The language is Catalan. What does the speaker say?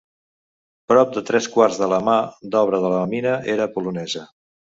Prop de tres quarts de la mà d'obra de la mina era polonesa.